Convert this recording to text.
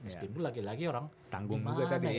sekinbu lagi lagi orang tanggung juga tadi